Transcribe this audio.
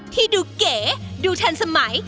ที่ดูเก๋ดูทันสมัย